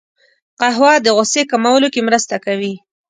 قهوه د غوسې کمولو کې مرسته کوي